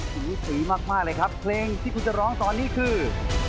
สูสีมากเลยครับเพลงที่คุณจะร้องตอนนี้คือ